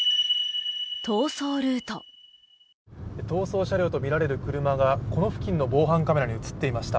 逃走車両とみられる車がこの付近の防犯カメラに映っていました。